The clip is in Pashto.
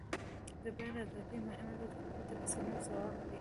د بیان ازادي مهمه ده ځکه چې د رسنیو ځواک دی.